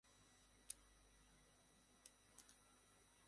শুধু আরাম করো।